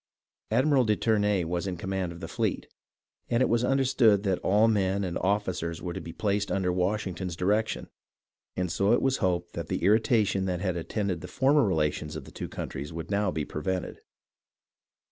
Admiral de Ternay was in command of the fleet, and it was understood that all men and officers were to be placed under Washington's direction, and so it was hoped that the irritation that had attended the former relations of the two countries would now be prevented.